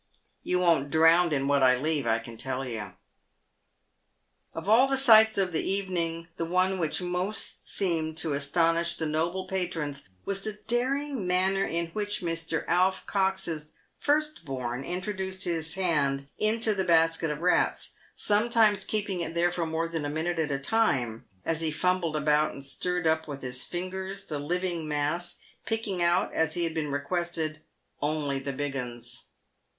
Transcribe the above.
Tou won't drownd in what I leave, I can tell you." Of all the sights of the evening, the one which most seemed to astonish the noble patrons was the daring manner in w^hich Mr. Alf Cox's first born introduced his hand into the basket of rats, some times keeping it there for more than a minute at a time as he fumbled about and stirred up with his fingers the living mass, picking out, as he had been requested, " only the big 'uns."